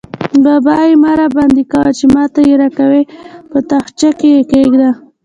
بابايي مه راباندې کوه؛ چې ما ته يې راکوې - په تاخچه کې يې کېږده.